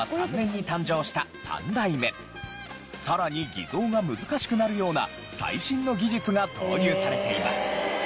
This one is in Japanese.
さらに偽造が難しくなるような最新の技術が投入されています。